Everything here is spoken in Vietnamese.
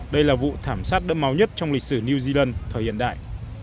đây là vụ thảm sát đẫm máu nhất trong lịch sử new zealand thời hiện đại